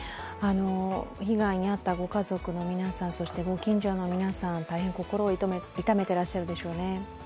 被害に遭ったご家族の皆さんそしてご近所の皆さん、大変心を痛めていらっしゃるでしょうね。